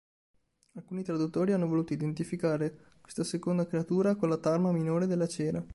Alcuni traduttori hanno voluto identificare questa seconda creatura con la tarma minore della cera.